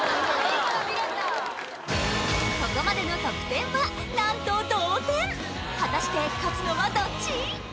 ここまでの得点は何と同点果たして勝つのはどっち？